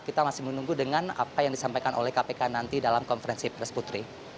kita masih menunggu dengan apa yang disampaikan oleh kpk nanti dalam konferensi pers putri